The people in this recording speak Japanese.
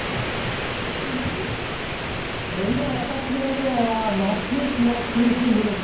今、私がいるのは松江市の中心部です。